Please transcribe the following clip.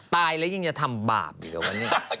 ตายแล้วยังจะทำบาปอยู่เหรอวะเนี่ย